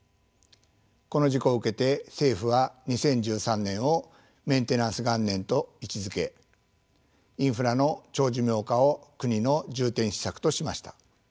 この事故を受けて政府は２０１３年をメンテナンス元年と位置づけインフラの長寿命化を国の重点施策としました。